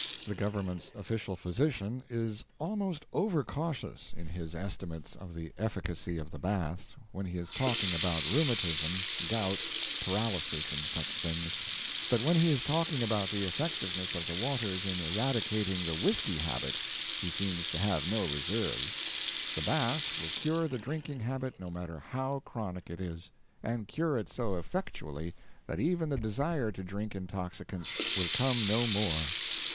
The government's official physician is almost over cautious in his estimates of the efficacy of the baths, when he is talking about rheumatism, gout, paralysis, and such things; but when he is talking about the effectiveness of the waters in eradicating the whisky habit, he seems to have no reserves. The baths will cure the drinking habit no matter how chronic it is and cure it so effectually that even the desire to drink intoxicants will come no more.